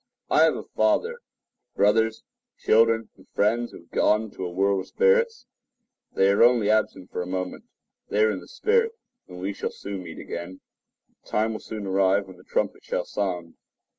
I have a father, brothers, children, and friends who have gone to a world of spirits. They are only absent for a moment. They are in the spirit, and we shall soon meet again. The time will soon arrive when the trumpet shall sound.